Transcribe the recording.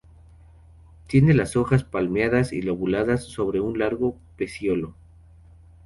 Tiene las hojas palmeadas y lobuladas sobre un largo peciolo.